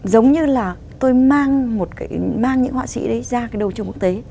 giống như là tôi mang một cái mang những họa sĩ đấy ra cái đầu trường quốc tế